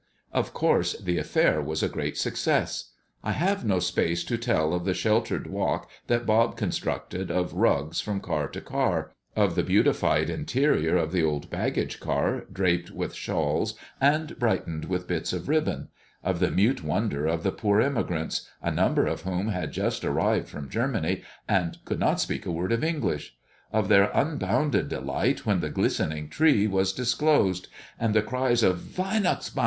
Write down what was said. Of course the affair was a great success. I have no space to tell of the sheltered walk that Bob constructed of rugs, from car to car; of the beautified interior of the old baggage car, draped with shawls and brightened with bits of ribbon; of the mute wonder of the poor immigrants, a number of whom had just arrived from Germany, and could not speak a word of English; of their unbounded delight when the glistening tree was disclosed, and the cries of "_Weihnachtsbaum!